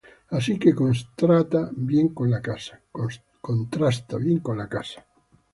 Así que contrasta bien con la casa.